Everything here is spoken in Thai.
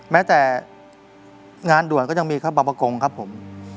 แม้แต่งานด่วนก็ยังมีครับบางประกงครับผม